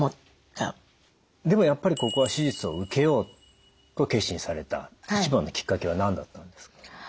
でもやっぱりここは手術を受けようと決心された一番のきっかけは何だったんですか？